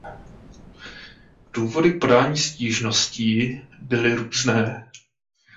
Důvody k podání stížností byly různé.